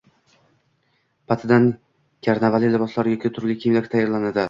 patidan karnaval liboslari yoki turli kiyimlar tayyorlanadi.